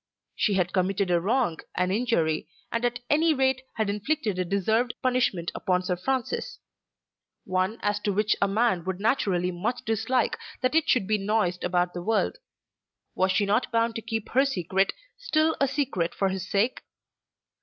She had committed a wrong, an injury, or at any rate had inflicted a deserved punishment upon Sir Francis; one as to which a man would naturally much dislike that it should be noised about the world. Was she not bound to keep her secret still a secret for his sake?